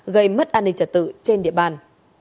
gây mất an ninh trả tự trên địa bàn